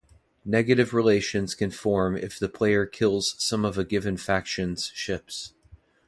Negative relations can form if the player kills some of a given faction's ships.